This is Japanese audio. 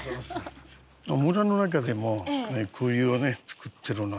村の中でもこういうの作ってるのね。